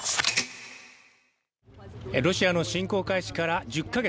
ロシアの侵攻開始から１０か月。